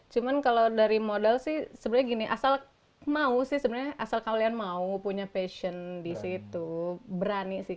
cuma kalau dari modal sih sebenarnya gini asal mau sih sebenarnya asal kalian mau punya passion di situ berani sih